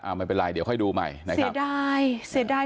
เอามันเป็นไรเดี๋ยวค่อยดูใหม่เสียดาย